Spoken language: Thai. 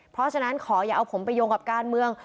เพราะฉะนั้นขออย่าเอาผมไปโยงกับการเมือง